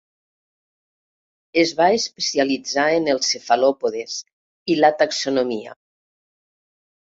Es va especialitzar en els cefalòpodes i la taxonomia.